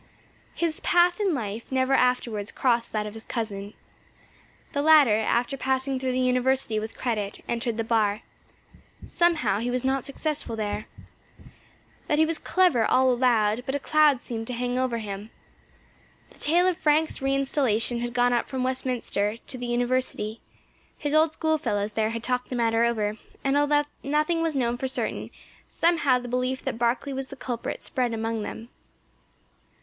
His path in life never afterwards crossed that of his cousin. The latter, after passing through the University with credit, entered the Bar. Somehow he was not successful there. That he was clever all allowed, but a cloud seemed to hang over him. The tale of Frank's reinstallation had gone up from Westminster to the University; his old schoolfellows there had talked the matter over, and although nothing was known for certain, somehow the belief that Barkley was the culprit spread among them.